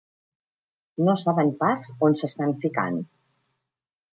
No saben pas on s'estan ficant.